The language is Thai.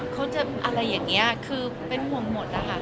เขาจะอะไรอย่างนี้คือเป็นห่วงหมดอ่ะฮะทุกอย่าง